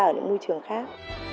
ở những môi trường khác